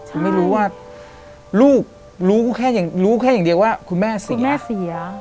คุณไม่รู้ว่าลูกรู้แค่อย่างเดียวว่าคุณแม่เสีย